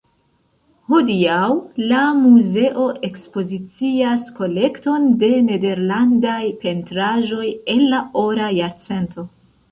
Hodiaŭ, la muzeo ekspozicias kolekton de nederlandaj pentraĵoj el la Ora Jarcento.